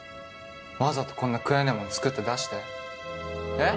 わざとこんな食えねぇもん作って出してえっ？